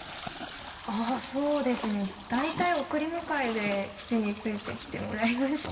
あっそうですね大体送り迎えで父についてきてもらいました。